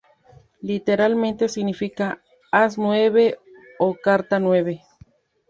Literalmente significa "haz nueve" o "carta nueve".